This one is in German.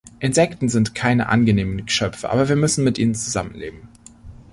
Insekten sind keine angenehmen Geschöpfe, aber wir müssen mit ihnen zusammenleben.